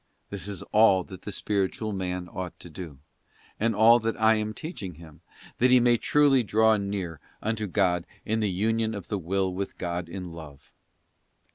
This is all that the spiritual man ought to do—and all that I am teaching him—that he may truly draw near unto God in the Union of the will with God in Love.